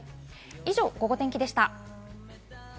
以上、ゴゴ天気でした。